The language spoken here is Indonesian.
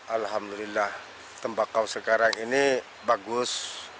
alhamdulillah tembakau sekarang ini bagus